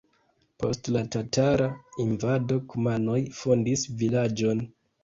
Post la tatara invado kumanoj fondis vilaĝon.